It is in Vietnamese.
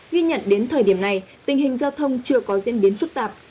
ghi nhận đến thời điểm này tình hình giao thông chưa có diễn biến phức tạp